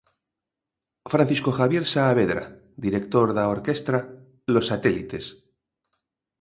Francisco Javier Saavedra, Director da orquestra 'Los Satélites'.